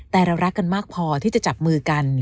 แต่เรารักกันมากพอที่จะจับมือกัน